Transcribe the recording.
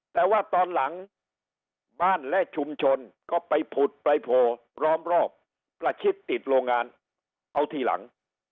แต่ว่าตอนหลังบ้านและชุมชนก็ไปผุดไปโผล่ล้อมรอบประชิดติดโรงงานเอาทีหลัง